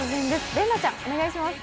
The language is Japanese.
麗奈ちゃん、お願いします。